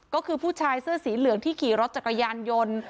ก็คือผู้ชายเสื้อสีเหลืองที่ขี่รถจักรยานยนต์